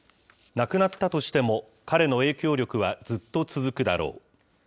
亡くなったとしても、彼の影響力はずっと続くだろう。